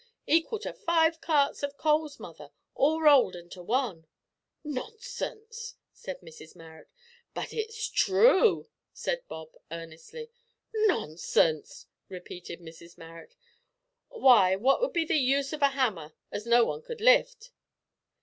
equal to five carts of coals, mother, all rolled into one." "Nonsense!" said Mrs Marrot. "But it's true," said Bob, earnestly. "Nonsense!" repeated Mrs Marrot; "w'y, what would be the use of a hammer as no one could lift?"